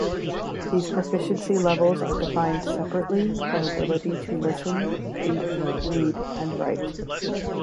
These proficiency levels are defined separately for ability to listen, speak, read and write.